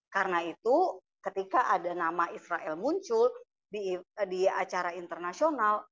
karena itu ketika ada nama israel muncul di acara internasional